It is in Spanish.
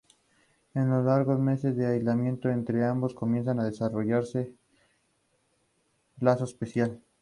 En los largos meses de aislamiento, entre ambos comienza a desarrollarse un lazo especial.